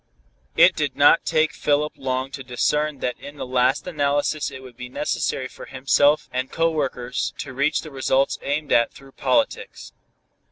It did not take Philip long to discern that in the last analysis it would be necessary for himself and co workers to reach the results aimed at through politics.